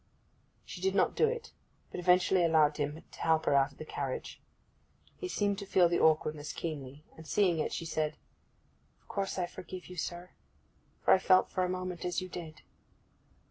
She did not do it, but eventually allowed him to help her out of the carriage. He seemed to feel the awkwardness keenly; and seeing it, she said, 'Of course I forgive you, sir, for I felt for a moment as you did.